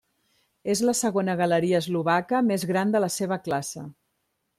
És la segona galeria eslovaca més gran de la seva classe.